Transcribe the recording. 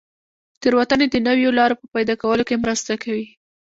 تېروتنې د نویو لارو په پیدا کولو کې مرسته کوي.